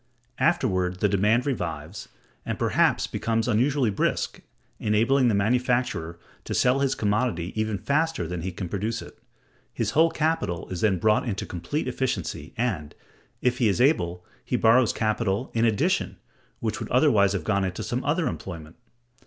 Afterward the demand revives, and perhaps becomes unusually brisk, enabling the manufacturer to sell his commodity even faster than he can produce it; his whole capital is then brought into complete efficiency, and, if he is able, he borrows capital in addition, which would otherwise have gone into some other employment.